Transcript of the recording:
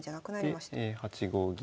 で８五銀。